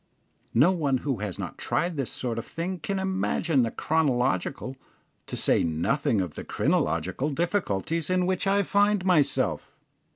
No one who has not tried this sort of thing can imagine the chronological, to say nothing of the crinological, difficulties in which I find myself.